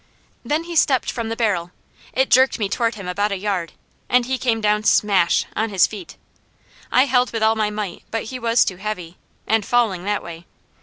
Then he stepped from the barrel. It jerked me toward him about a yard, as he came down smash! on his feet. I held with all my might, but he was too heavy and falling that way.